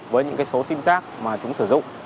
với những số simsát mà chúng sử dụng